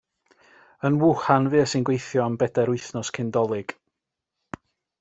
Yn Wuhan fues i'n gweithio am bedair wythnos cyn 'Dolig.